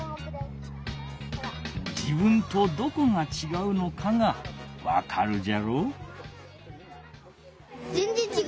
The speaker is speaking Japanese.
自分とどこがちがうのかがわかるじゃろ。